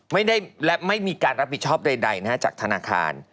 ไม่มีการรับผิดชอบใดนะฮะจากธนาคาร